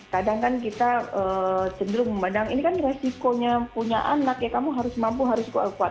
kadang kan kita cenderung memandang ini kan resikonya punya anak ya kamu harus mampu harus kuat kuat